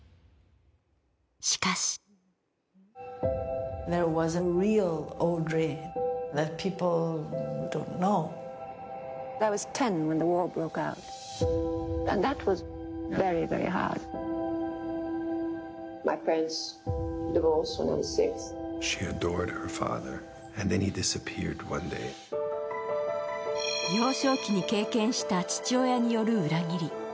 しかし幼少期に経験した父親による裏切り。